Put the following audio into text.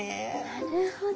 なるほど。